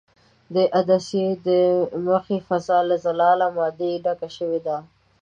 د عدسیې د مخې فضا له زلالیه مادې ډکه شوې ده.